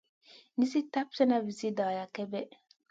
Nizi tap slèna vizi dara kep.